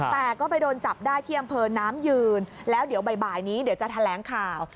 แต่ก็ไปโดนจับได้ที่อำเภอน้ำยืนแล้วเดี๋ยวบ่ายนี้เดี๋ยวจะแถลงข่าว